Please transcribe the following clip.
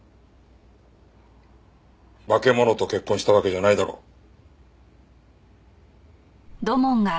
化け物と結婚したわけじゃないだろう？